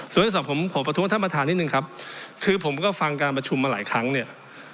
ส่วนที่สอบผมขอประท้วงท่านประธานนิดนึงครับคือผมก็ฟังการประชุมมาหลายครั้งเนี่ย